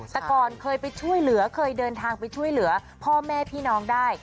แต่ก่อนเคยไปช่วยเหลือเคยเดินทางไปช่วยเหลือพ่อแม่พี่น้องได้